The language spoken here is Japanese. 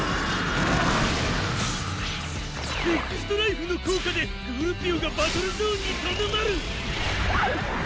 エクストライフの効果でグウルピオがバトルゾーンにとどまる！